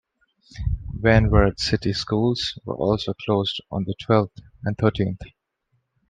Van Wert city schools were also closed on the twelfth and thirteenth.